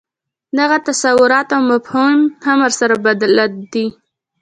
دغه تصورات او مفاهیم هم ورسره بدل دي.